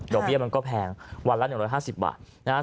ดอกเบี้ยมันก็แพงวันละ๑๕๐บาท